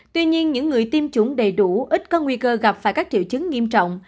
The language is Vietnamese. tuy nhiên những người tiêm chủng đầy đủ ít có nguy cơ gặp phải các triệu chứng nghiêm trọng